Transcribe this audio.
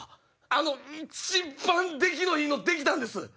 あの一番出来のいいのできたんです！